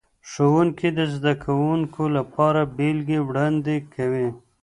ښوونکي د زده کوونکو لپاره بیلګې وړاندې کوي.